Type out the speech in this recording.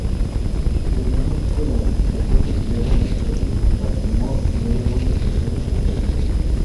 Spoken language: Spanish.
El mismo tipo de modificación recibieron las clases Baltimore y Oregon de cruceros pesados.